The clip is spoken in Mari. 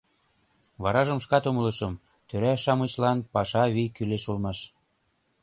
Варажым шкат умылышым: тӧра-шамычлан паша вий кӱлеш улмаш.